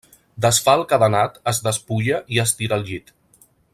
Desfà el cadenat, es despulla i es tira al llit.